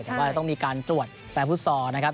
แต่ว่าจะต้องมีการตรวจแฟนฟุตซอลนะครับ